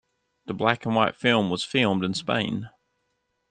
The black-and-white film was filmed in Spain.